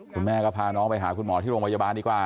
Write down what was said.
คุณแม่ก็พาน้องไปหาคุณหมอที่โรงพยาบาลดีกว่า